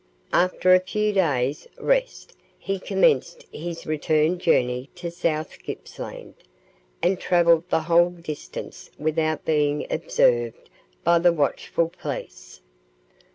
After a few days' rest he commenced his return journey to South Gippsland, and travelled the whole distance without being observed by the watchful police.